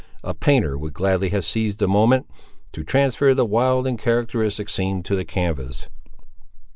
A painter would gladly have seized the moment, to transfer the wild and characteristic scene to the canvass.